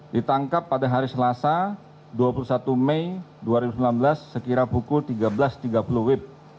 ditangkap pada hari selasa dua puluh satu mei dua ribu sembilan belas sekira pukul tiga belas tiga puluh wib